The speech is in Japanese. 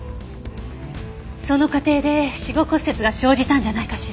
その過程で死後骨折が生じたんじゃないかしら。